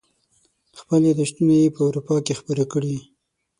خپل یاداشتونه یې په اروپا کې خپاره کړي.